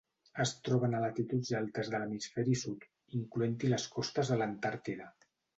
Es troben a latituds altes de l'hemisferi sud, incloent-hi les costes de l'Antàrtida.